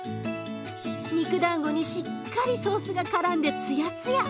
肉だんごにしっかりソースがからんでツヤツヤ！